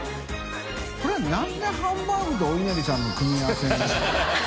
海譴なんでハンバーグとおいなりさんの組み合わせに？